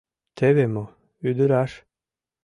— Теве мо, ӱдыраш.